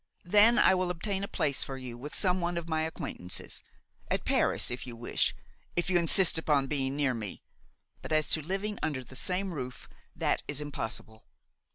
Then I will obtain a place for you with some one of my acquaintances–at Paris, if you wish, if you insist upon being near me–but as to living under the same roof, that is impossible."